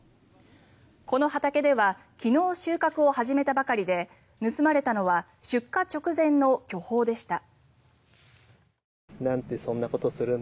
この畑では昨日収穫を始めたばかりで盗まれたのは出荷直前の巨峰でした。